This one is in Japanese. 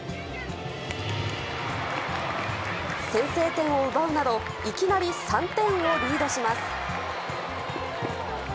先制点を奪うなど、いきなり３点をリードします。